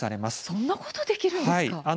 そんなことができるんですか。